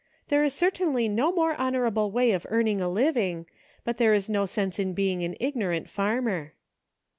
There is certainly no more honorable way of earn ing a living ; but there is no sense in being an ignorant farmer."